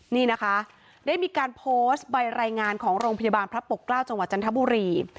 นี่นะคะได้มีการโพสต์ใบรายงานของโรงพยาบาลพระปกเกล้าจังหวัดจันทบุรี